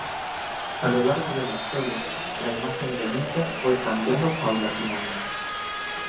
A lo largo de la historia la imagen del hincha fue cambiando paulatinamente.